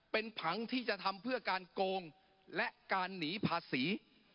เป็นผังที่จะทำเพื่อการโกงและการหนีภาษี